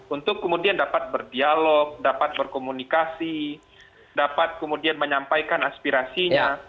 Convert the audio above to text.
untuk kemudian dapat berdialog dapat berkomunikasi dapat kemudian menyampaikan aspirasinya